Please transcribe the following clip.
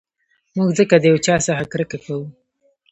موږ ځکه د یو چا څخه کرکه کوو.